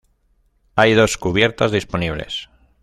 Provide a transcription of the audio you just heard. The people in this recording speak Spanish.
Hay dos cubiertas disponibles.